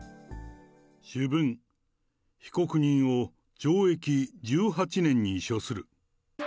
主文、被告人を懲役１８年に処する。